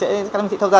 các anh chị tham gia